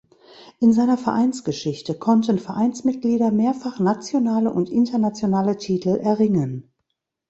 In seiner Vereinsgeschichte konnten Vereinsmitglieder mehrfach nationale und internationale Titel erringen.